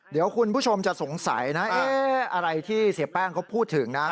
เดี๋ยวคุณผู้ชมจะสงสัยนะอะไรที่เสียแป้งเขาพูดถึงนะ